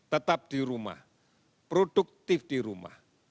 tetap di rumah produktif di rumah